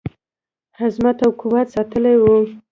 عظمت او قوت ساتلی وو.